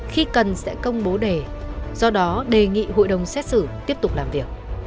khi cần sẽ công bố đề do đó đề nghị hội đồng xét xử tiếp tục làm việc